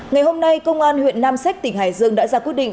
ngày hôm nay công an huyện nam sách tỉnh hải dương đã ra quyết định